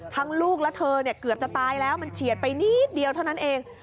ลูกและเธอเนี่ยเกือบจะตายแล้วมันเฉียดไปนิดเดียวเท่านั้นเอง